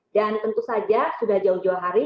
dan tentu saja sudah jauh jauh hari